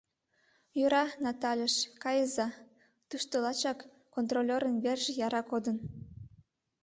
— Йӧра, Натальыш кайыза, тушто лачак контролёрын верже яра кодын.